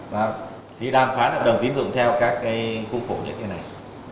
và thì đàm phán hợp đồng tín dụng theo các khung phổ như thế này